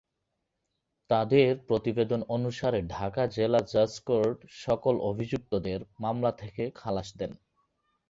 তাদের প্রতিবেদন অনুসারে ঢাকা জেলা জাজ কোর্ট সকল অভিযুক্তদের মামলা থেকে খালাস দেন।